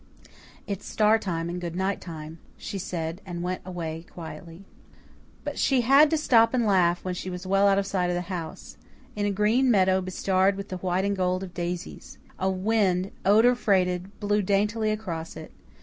"It's star time and good night time," she said, and went away quietly. But she had to stop to laugh when she was well out of sight of the house, in a green meadow bestarred with the white and gold of daisies. A wind, odour freighted, blew daintily across it.